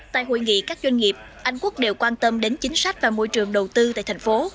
tại hội nghị các doanh nghiệp anh quốc đều quan tâm đến chính sách và môi trường đầu tư tại thành phố